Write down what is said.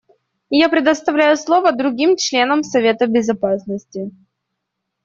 Я предоставляю слово другим членам Совета Безопасности.